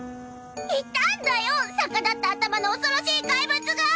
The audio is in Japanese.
いたんだよォ逆立った頭の恐ろしい怪物が！